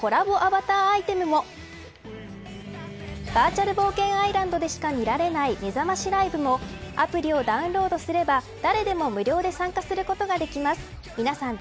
バーチャル冒険アイランドでしか見られないめざましライブもアプリをダウンロードすれば誰でも無料で参加することができます。